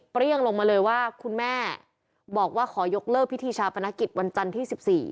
เปรี้ยงลงมาเลยว่าคุณแม่บอกว่าขอยกเลิกพิธีชาพนักกิจวันจันที่๑๔